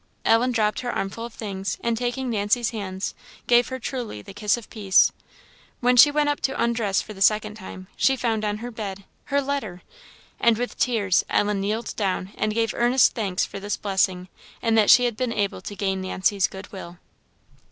Ellen dropped her armful of things, and, taking Nancy's hands, gave her truly the kiss of peace. When she went up to undress for the second time, she found on her bed her letter! And with tears Ellen kneeled down and gave earnest thanks for this blessing, and that she had been able to gain Nancy's good will.